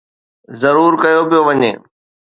ضرور ڪيو پيو وڃي